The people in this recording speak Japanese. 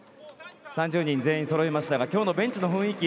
３０人全員そろいましたが今日のベンチの雰囲気